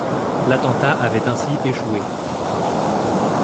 L'attentat avait ainsi échoué.